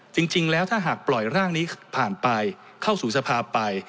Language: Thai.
จริงแล้วถ้าหากปล่อยร่างนี้ผ่านไปเข้าสู่สภาพไป